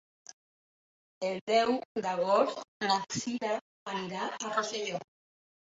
El deu d'agost na Cira anirà a Rosselló.